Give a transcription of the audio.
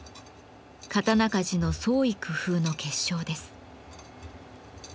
刀鍛冶の創意工夫の結晶です。